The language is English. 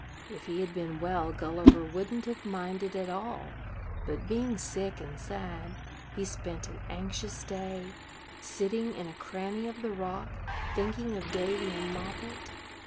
If he had been well, Gulliver wouldn't have minded at all; but, being sick and sad, he spent an anxious day, sitting in a cranny of the rock, thinking of Davy and Moppet.